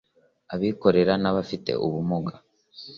abikorera n’abafite ubumuga